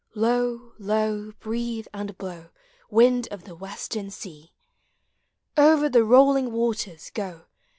Low, low, breathe and blow. Wind of the western sea ! Over the rolling waters go.